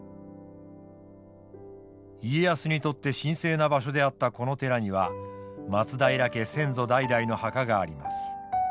家康にとって神聖な場所であったこの寺には松平家先祖代々の墓があります。